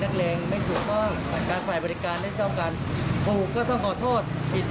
ใครก็ทำโจรต่อไปไม่อยากจะจับรถ